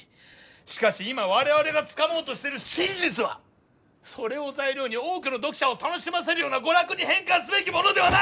しかし今我々がつかもうとしてる真実はそれを材料に多くの読者を楽しませるような「娯楽」に変換すべきものではない！